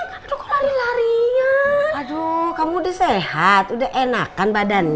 lalu kau lari larikan aduh kamu udah sehat udah enakan badannya